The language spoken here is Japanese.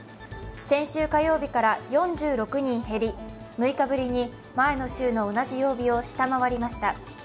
先週火曜日から４６人減り、６日ぶりに前の週の同じ曜日を下回りました。